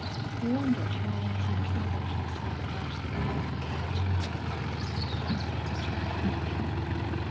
He wondered why he had troubled himself about the woman who cared nothing nothing whatever for him.